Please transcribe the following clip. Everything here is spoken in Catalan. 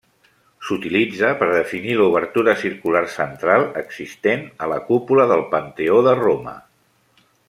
S'utilitza per definir l'obertura circular central existent a la cúpula del Panteó de Roma.